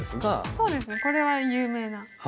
そうですねこれは有名な。